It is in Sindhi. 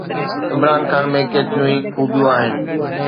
عمران خان ۾ ڪيتريون ئي خوبيون آهن.